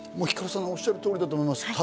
ひかるさんがおっしゃる通りだと思います。